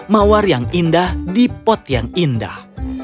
mawar yang indah di pot yang indah